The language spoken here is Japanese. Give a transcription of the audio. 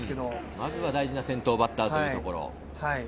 まずは大事な先頭バッターというところ。